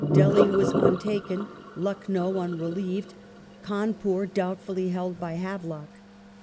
Delhi was untaken ; Lucknow unrelieved ; Cawnpur doubtfully held by Havelock.